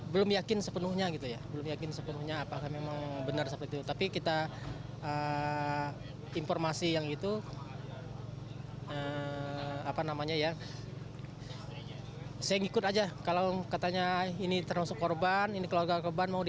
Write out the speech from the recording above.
bagaimana perasaan anda mengenai penyelamatkan penumpang lion air